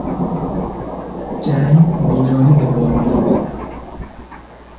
جنگ ویرانی به بار میآورد.